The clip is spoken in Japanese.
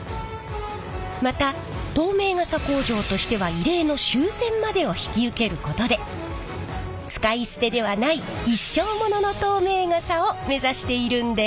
また透明傘工場としては異例の修繕までを引き受けることで使い捨てではない一生モノの透明傘を目指しているんです！